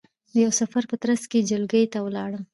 د یوه سفر په ترځ کې جلگې ته ولاړم،